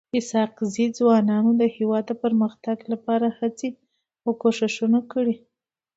اسحق زي ځوانانو د هيواد د پرمختګ لپاره تل هڅي او کوښښونه کړي.